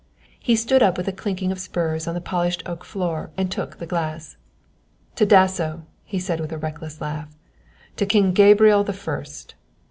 He stood up with a clanking of spurs on the polished oak floor and took the glass. "To Dasso," he said, with a reckless laugh; "To King Gabriel the First."